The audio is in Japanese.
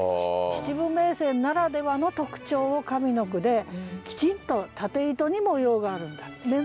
秩父銘仙ならではの特徴を上の句できちんと縦糸に模様があるんだと。